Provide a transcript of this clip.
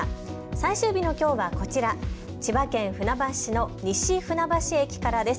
最終日のきょうはこちら、千葉県船橋市の西船橋駅からです。